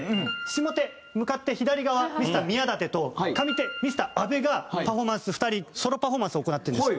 下手向かって左側ミスター宮舘と上手ミスター阿部がパフォーマンス２人ソロパフォーマンスを行ってるんです。